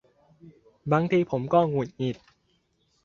บางทีผมก็หงุดหงิด